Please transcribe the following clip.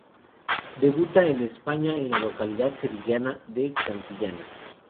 Debuta en España en la localidad sevillana de Cantillana.